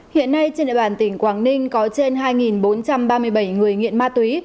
hiện nay trên địa bàn tỉnh quảng ninh có trên hai bốn trăm ba mươi bảy người nghiện ma túy